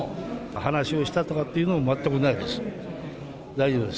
話をしたとかっていうのも全くないです。